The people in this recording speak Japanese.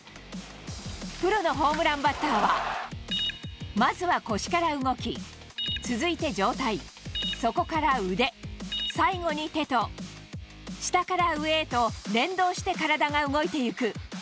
プロのホームランバッターは、まずは腰から動き、続いて上体、そこから腕、最後に手と、下から上へと連動して体が動いていく。